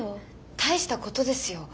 大したことですよ。